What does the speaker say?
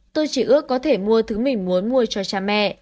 tôi chỉ ước có thể mua thứ mình muốn mua cho cha mẹ